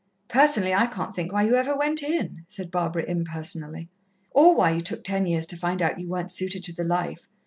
"Personally, I can't think why you ever went in," said Barbara impersonally. "Or why you took ten years to find out you weren't suited to the life.